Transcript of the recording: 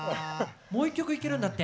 もう１曲いけるんだって。